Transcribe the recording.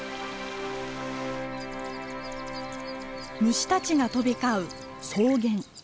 虫たちが飛び交う草原。